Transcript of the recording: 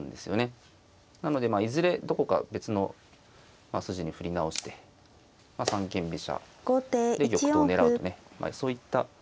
なのでまあいずれどこか別の筋に振り直して三間飛車で玉頭を狙うとねそういった。